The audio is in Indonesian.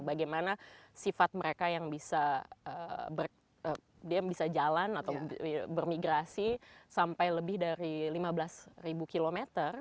bagaimana sifat mereka yang bisa jalan atau bermigrasi sampai lebih dari lima belas km